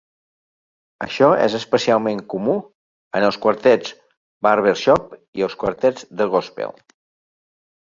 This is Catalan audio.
Això és especialment comú en els quartets barbershop i els quartets de gòspel.